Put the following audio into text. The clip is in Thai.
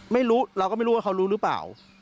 ไม่รู้เราก็ไม่รู้ว่าเขารู้หรือเปล่า